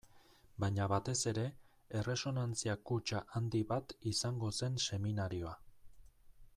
Baina batez ere, erresonantzia kutxa handi bat izango zen seminarioa.